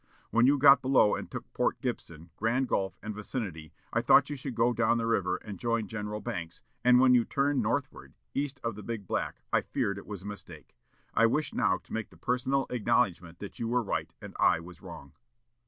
When you got below and took Port Gibson, Grand Gulf, and vicinity, I thought you should go down the river and join General Banks, and when you turned northward, east of the Big Black, I feared it was a mistake. I wish now to make the personal acknowledgment that you were right and I was wrong."